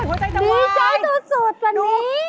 อุ๊ยหัวใจจำไวน์ดีจ้อยสุดวันนี้